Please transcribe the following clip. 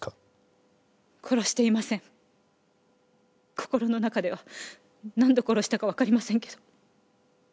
心の中では何度殺したかわかりませんけど。